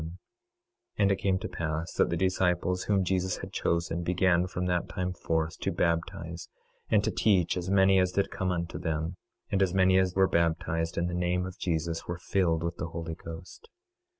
26:17 And it came to pass that the disciples whom Jesus had chosen began from that time forth to baptize and to teach as many as did come unto them; and as many as were baptized in the name of Jesus were filled with the Holy Ghost.